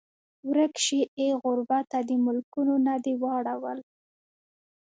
ورک شې ای غربته د ملکونو نه دې واړول